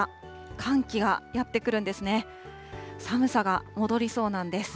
寒さが戻りそうなんです。